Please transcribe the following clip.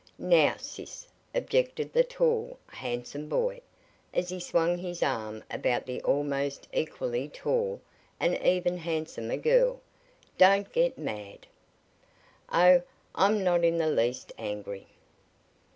"Now, sis," objected the tall, handsome boy, as he swung his arm about the almost equally tall, and even handsomer girl, "don't get mad." "Oh, I'm not in the least angry."